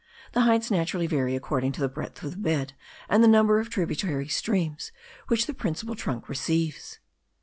The heights naturally vary according to the breadth of the bed and the number of tributary streams which the principal trunk receives.